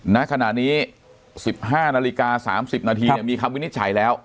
ณขณะนี้๑๕นาฬิกา๓๐นาทีมีคำวินิจฉัยแล้ว